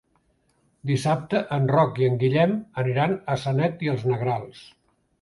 Dissabte en Roc i en Guillem aniran a Sanet i els Negrals.